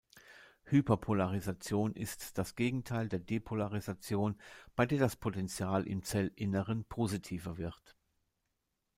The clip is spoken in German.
Hyperpolarisation ist das Gegenteil der Depolarisation, bei der das Potential im Zellinneren positiver wird.